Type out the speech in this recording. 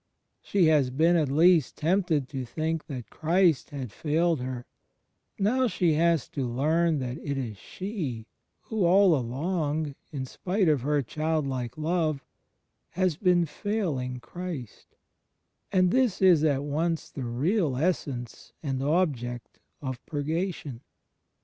She has been at least tempted to think that Christ had failed her; now she has to learn that it is she who, all along, in spite of her childlike love, has been failing Christ; and this is at once the real essence and object of Purgation.